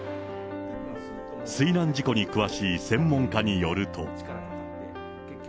水難事故に詳しい専門家によると。